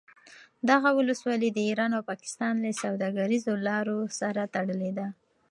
دغه ولسوالي د ایران او پاکستان له سوداګریزو لارو سره تړلې ده